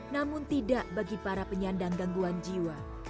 namun tidak bagi para penyandang gangguan jiwa